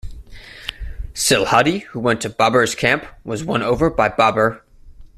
Silhadi who went to Babur's camp was won over by Babur.